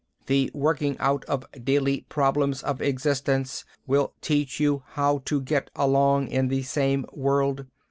The working out of daily problems of existence will teach you how to get along in the same world.